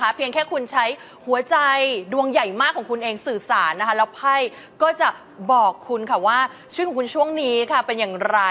เพียงแค่คุณใช้หัวใจดวงใหญ่มากของคุณเองสื่อสารนะคะแล้วไพ่ก็จะบอกคุณค่ะว่าชื่อของคุณช่วงนี้ค่ะเป็นอย่างไร